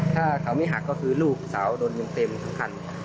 ถ้าเขาไม่หักก็คือลูกสาวโดนยิงเต็มสำคัญ